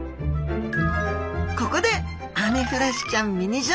ここでアメフラシちゃんミニ情報。